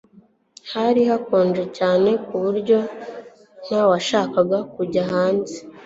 Hari hakonje cyane kuburyo ntawashakaga kujya hanze